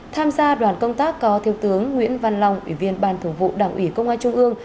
tham gia đoàn công tác có thiếu tướng nguyễn văn long ủy viên ban thường vụ đảng ủy công an trung ương